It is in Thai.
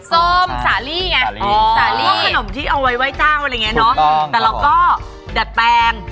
ส้มสาลีไงสาลีอ๋อคือขนมที่เอาไว้ไว้เจ้าอะไรอย่างนี้เนอะถูกต้อง